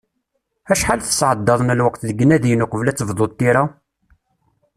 Acḥal tesεeddaḍ n lweqt deg inadiyen uqbel ad tebduḍ tira?